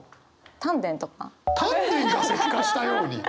丹田が石化したように！？